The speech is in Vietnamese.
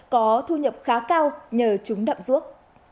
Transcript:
có thu nhập khá cao nhờ chúng đậm ruốc